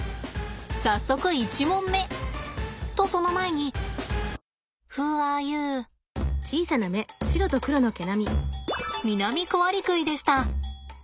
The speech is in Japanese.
早速１問目！とその前にミナミコアリクイでした。